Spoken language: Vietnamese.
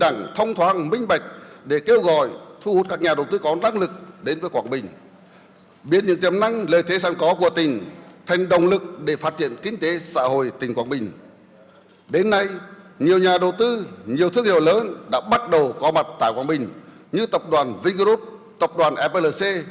nhiều thương hiệu lớn đã bắt đầu có mặt tại quảng bình như tập đoàn vingroup tập đoàn flc